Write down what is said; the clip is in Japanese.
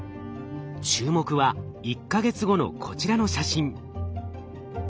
注目は１か月後のこちらの写真。